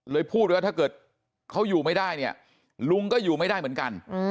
พูดไว้ว่าถ้าเกิดเขาอยู่ไม่ได้เนี่ยลุงก็อยู่ไม่ได้เหมือนกัน